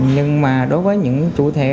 nhưng mà đối với những chủ thẻ